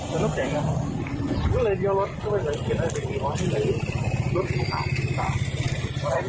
เป็นรถเก๋งอ่ะมันเลยเดียวรถก็ไม่ได้สังเกตอะไรเป็นอย่างนี้